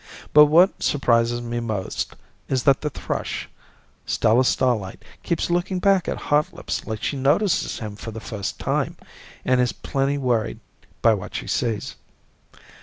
But what surprises me most is that the thrush, Stella Starlight, keeps looking back at Hotlips like she notices him for the first time and is plenty worried by what she sees.